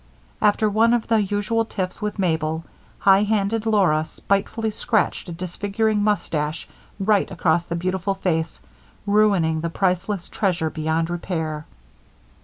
After one of the usual tiffs with Mabel, high handed Laura spitefully scratched a disfiguring mustache right across the beautiful face, ruining the priceless treasure beyond repair.